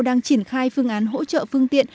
đang triển khai phương án hỗ trợ phương tiện